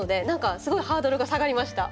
すごいハードルが下がりました。